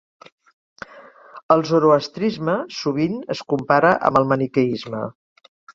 El zoroastrisme sovint es compara amb el maniqueisme.